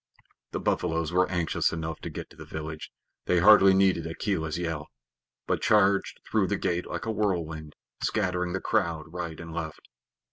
The buffaloes were anxious enough to get to the village. They hardly needed Akela's yell, but charged through the gate like a whirlwind, scattering the crowd right and left.